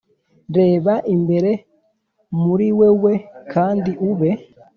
reba imbere muri wewe kandi ube